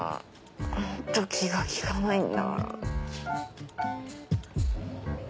ホント気が利かないんだから。